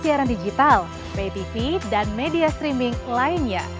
jendral ptv dan media streaming lainnya